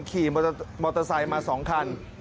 ขี่มอเตอร์ไซค์มา๒คัน